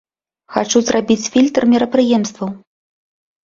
Хачу зрабіць фільтр мерапрыемстваў.